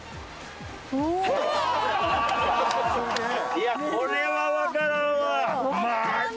いやこれはわからんわ！